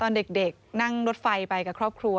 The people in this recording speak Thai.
ตอนเด็กนั่งรถไฟไปกับครอบครัว